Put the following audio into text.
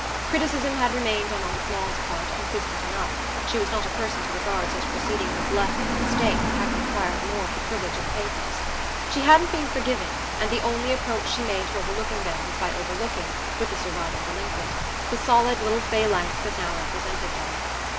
Criticism had remained on Aunt Maud's part consistent enough; she was not a person to regard such proceedings as less of a mistake for having acquired more of the privilege of pathos. She hadn't been forgiving, and the only approach she made to overlooking them was by overlooking with the surviving delinquent the solid little phalanx that now represented them.